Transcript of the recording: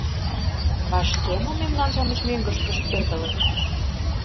Вашке мо мемнан-шамыч мӧҥгышкышт пӧртылыт?